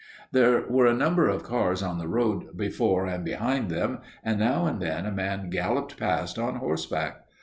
There were a number of cars on the road before and behind them, and now and then a man galloped past on horseback.